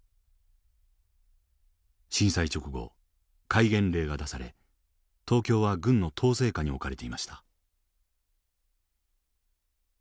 震災直後戒厳令が出され東京は軍の統制下に置かれていました。